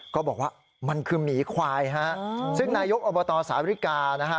ก็บอกว่ามันคือหมีควายฮะซึ่งนายกอบตสาวริกานะฮะ